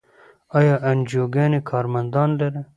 آیا انجیوګانې کارمندان لري؟